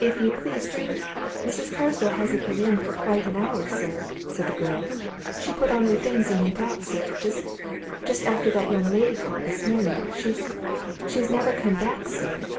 "If you please, sir, Mrs. Carswell hasn't been in for quite an hour, sir," said the girl. "She put on her things and went out, sir, just just after that young lady called this morning. She she's never come back, sir."